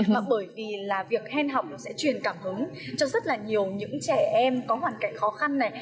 mà bởi vì là việc hen học nó sẽ truyền cảm hứng cho rất là nhiều những trẻ em có hoàn cảnh khó khăn này